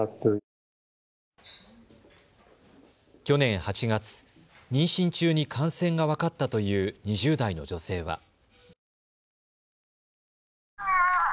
去年８月、妊娠中に感染が分かったという２０代の女性は。